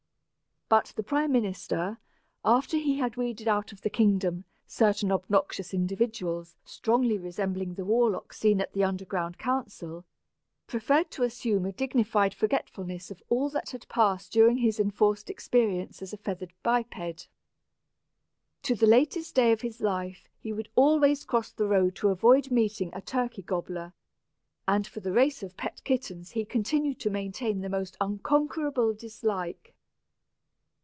But the prime minister, after he had weeded out of the kingdom certain obnoxious individuals strongly resembling the warlocks seen at the underground council, preferred to assume a dignified forgetfulness of all that had passed during his enforced experience as a feathered biped. To the latest day of his life he would always cross the road to avoid meeting a turkey gobbler, and for the race of pet kittens he continued to maintain the most unconquerable dislike.